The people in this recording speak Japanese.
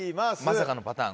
まさかのパターン？